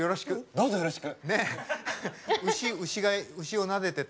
どうぞよろしく。